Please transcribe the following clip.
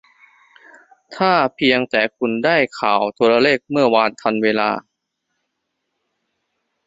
ถ้าเพียงแต่คุณได้ข่าวโทรเลขเมื่อวานทันเวลา